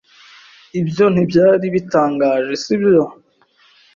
Ibyo ntibyari bitangaje, si byo?